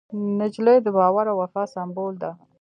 نجلۍ د باور او وفا سمبول ده.